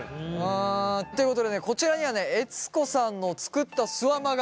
ということでねこちらにはね悦子さんの作ったすわまが。